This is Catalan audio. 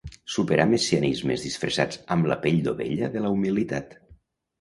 Superar messianismes disfressats amb la pell d’ovella de la humilitat.